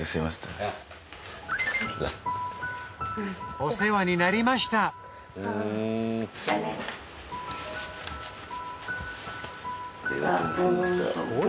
お世話になりましたじゃあね。